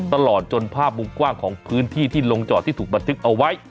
ตลอดจนภาพมุมกว้างของพื้นที่ที่ลงจอดที่ถูกบันทึกเอาไว้